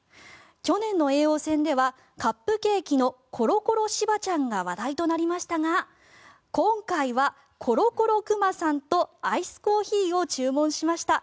去年の叡王戦ではカップケーキのコロコロしばちゃんが話題となりましたが今回はコロコロくまさんとアイスコーヒーを注文しました。